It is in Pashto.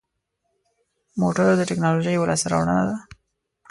موټر د تکنالوژۍ یوه لاسته راوړنه ده.